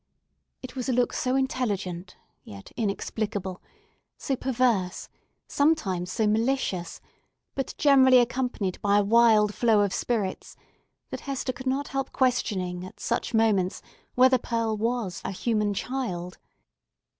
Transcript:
It was a look so intelligent, yet inexplicable, perverse, sometimes so malicious, but generally accompanied by a wild flow of spirits, that Hester could not help questioning at such moments whether Pearl was a human child.